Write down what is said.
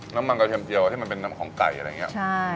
น้ำมันกระเทียมเจียวที่มันเป็นน้ำของไก่อะไรอย่างนี้